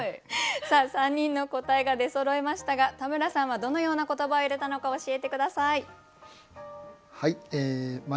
さあ３人の答えが出そろいましたが田村さんはどのような言葉を入れたのか教えて下さい。